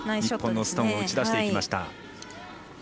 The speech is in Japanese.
日本のストーンを打ち出していきました。